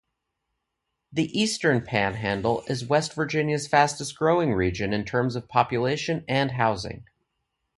The Eastern Panhandle is West Virginia's fastest-growing region in terms of population and housing.